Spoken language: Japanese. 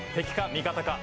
味方か？